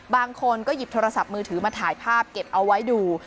บางคนก็หยิบโทรศัพท์มือถือมาถ่ายภาพเก็บเอาไว้ดู